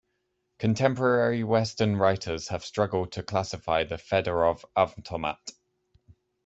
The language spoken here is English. Contemporary Western writers have struggled to classify the Fedorov Avtomat.